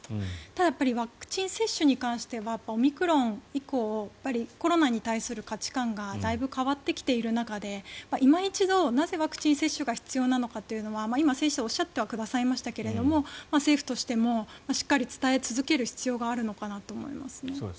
ただ、ワクチン接種に関してはオミクロン以降コロナに対する価値観がだいぶ変わってきている中でいま一度、なぜワクチン接種が必要なのかというのは今、先生がおっしゃってはくださいましたが政府としてもしっかり伝え続ける必要があるのかなと思いますね。